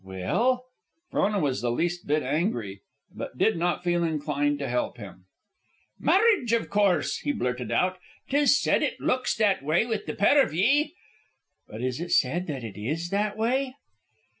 "Well?" Frona was the least bit angry, and did not feel inclined to help him. "Marriage, iv course," he blurted out. "'Tis said it looks that way with the pair of ye." "But is it said that it is that way?"